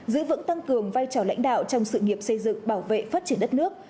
giữ vững tăng cường vai trò lãnh đạo trong sự nghiệp xây dựng bảo vệ phát triển đất nước